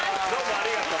ありがとう。